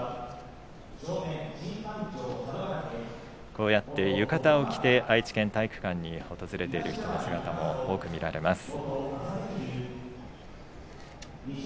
こうやって浴衣を着て愛知県体育館を訪れる方の姿も多く見かけます。